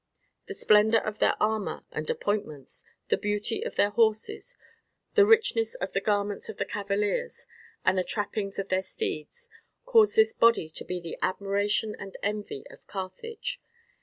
The splendour of their armour and appointments, the beauty of their horses, the richness of the garments of the cavaliers, and the trappings of their steeds, caused this body to be the admiration and envy of Carthage.